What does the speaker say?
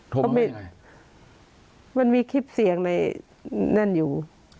โทรมาว่ายังไงมันมีคลิปเสียงในนั่นอยู่